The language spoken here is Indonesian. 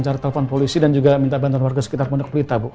cara telepon polisi dan juga minta bantuan warga sekitar kondok pulita bu